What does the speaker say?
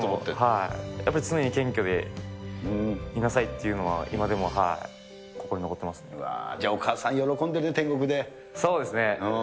はい、やっぱり常に謙虚でいなさいっていうのは、じゃあ、お母さん、喜んでるそうですね。